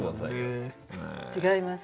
違います。